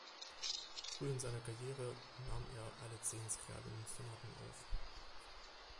Früh in seiner Karriere nahm er alle zehn Skrjabin Sonaten auf.